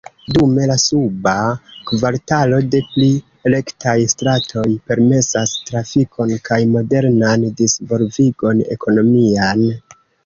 Dume la suba kvartalo de pli rektaj stratoj permesas trafikon kaj modernan disvolvigon ekonomian.